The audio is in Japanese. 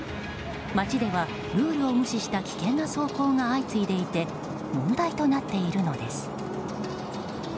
街ではルールを無視した危険な走行が相次いでいて問題となっているのです。